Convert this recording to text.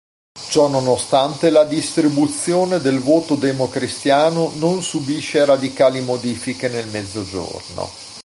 Ciononostante la distribuzione del voto democristiano non subisce radicali modifiche nel Mezzogiorno.